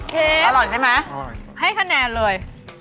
อร่อยใช่ไหมให้คะแนนเลย